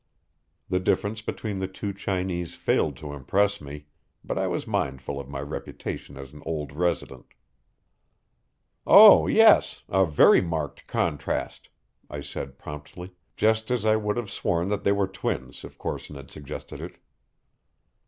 The difference between the two Chinese failed to impress me, but I was mindful of my reputation as an old resident. "Oh, yes; a very marked contrast," I said promptly, just as I would have sworn that they were twins if Corson had suggested it.